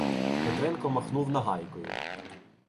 Петренко махнув нагайкою.